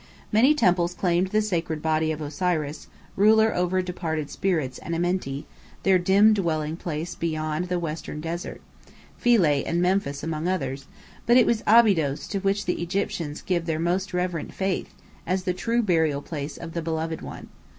Many temples claimed the sacred body of Osiris, ruler over departed spirits and Amenti, their dim dwelling place beyond the western desert; Philae and Memphis among others; but it was Abydos to which the Egyptians give their most reverent faith, as the true burial place of the Beloved One.